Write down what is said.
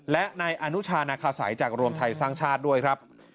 และนายอนุชานาคาสัยจากรวมไทยสร้างชาติด้วยครับ